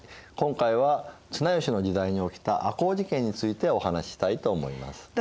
今回は綱吉の時代に起きた赤穂事件についてお話ししたいと思います。